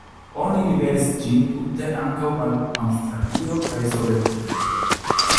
Oni liveris ĝin multe ankaŭ al Aŭstralio kaj Sovetunio.